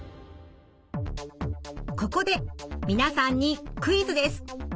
ここで皆さんにクイズです。